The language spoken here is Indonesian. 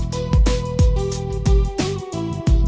buat siapa saja pakaiman